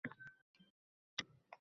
Men esa tunlarni hayolga tolib